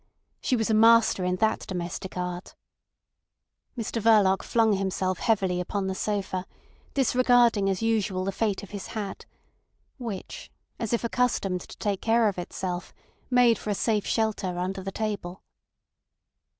She was a master in that domestic art. Mr Verloc flung himself heavily upon the sofa, disregarding as usual the fate of his hat, which, as if accustomed to take care of itself, made for a safe shelter under the table.